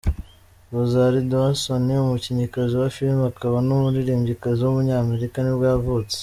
Rosario Dawson, umukinnyikazi wa filime akaba n’umuririmbyikazi w’umunyamerika nibwo yavutse.